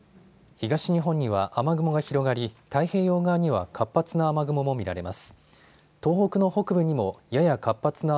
東日本には雨雲が広がり、太平洋側には活発な雨雲も見られます。